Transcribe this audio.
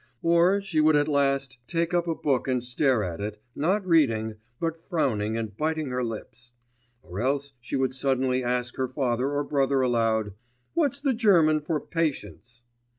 Or she would at last take up a book and stare at it, not reading, but frowning and biting her lips. Or else she would suddenly ask her father or brother aloud: 'What's the German for patience?